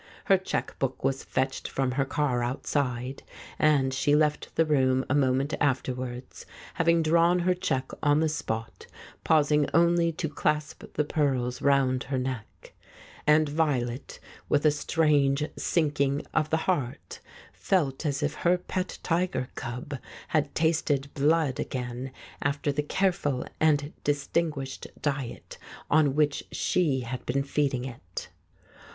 Her cheque book was fetched from her car outside, and she left the room a moment after wards, having drawn her cheque on the spot, pausing only to clasp the pearls round her neck. ... And Violet, with a strange sinking of the heart, felt as if her pet tiger cub had tasted blood again after the careful and distinguished diet on which she had been feeding it.